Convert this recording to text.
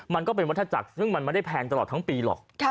มันก็เป็นวัฒนาจักรซึ่งมันไม่ได้แพงตลอดทั้งปีหรอก